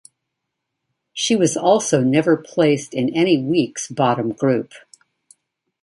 She was also never placed in any week's bottom group.